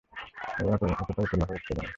ও এতটা উতলা হয়ে উঠছে কেন!